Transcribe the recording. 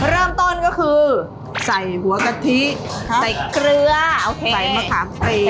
เริ่มต้นก็คือใส่หัวกะทิใส่เกลือใส่มะครับใส่มะครับ